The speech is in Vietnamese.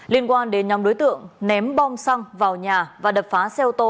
liên quan đến nhóm đối tượng ném bom xăng vào nhà và đập phá xe ô tô